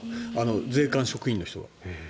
税関職員の人が。